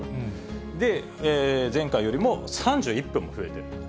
で、前回よりも３１分も増えてる。